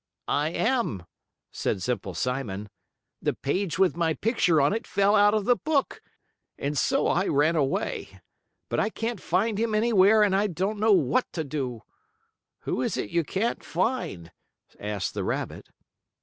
"I am," said Simple Simon. "The page with my picture on it fell out of the book, and so I ran away. But I can't find him anywhere and I don't know what to do." "Who is it you can't find?" asked the rabbit.